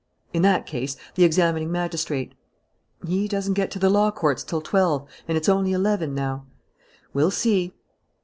"In that case the examining magistrate." "He doesn't get to the law courts till twelve; and it's only eleven now." "We'll see."